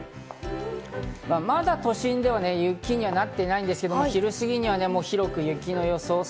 まだ都心では雪になっていないんですけど、昼過ぎには広く雪の予想。